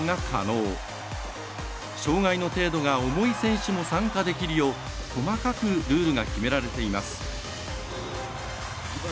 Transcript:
障がいの程度が重い選手も参加できるよう細かくルールが決められています。